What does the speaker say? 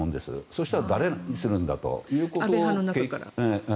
そしたら誰にするんだということを。